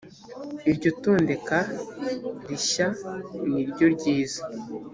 iryo tondeka rishya niryoryiza.